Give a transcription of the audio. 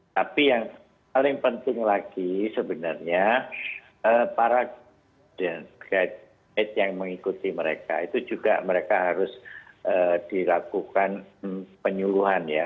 tapi yang paling penting lagi sebenarnya para guide yang mengikuti mereka itu juga mereka harus dilakukan penyuluhan ya